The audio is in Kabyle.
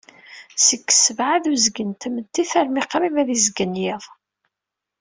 Seg ssebεa dcuzgen n tmeddit armi d qrib ad izeggen yiḍ.